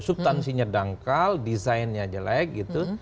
subtansinya dangkal desainnya jelek gitu